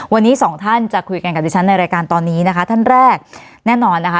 วันนี้สองท่านจะคุยกันกับดิฉันในรายการตอนนี้นะคะท่านแรกแน่นอนนะคะ